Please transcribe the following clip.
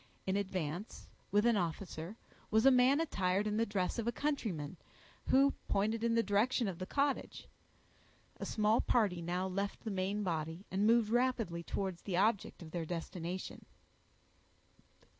In advance, with an officer, was a man attired in the dress of a countryman, who pointed in the direction of the cottage. A small party now left the main body, and moved rapidly towards the object of their destination.